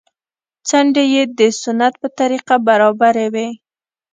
څنډې يې د سنت په طريقه برابرې وې.